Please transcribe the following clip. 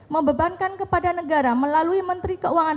membebankan kepada negara melalui menteri keuangan